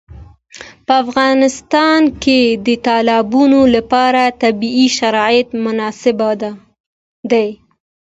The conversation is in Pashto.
په افغانستان کې د تالابونه لپاره طبیعي شرایط مناسب دي.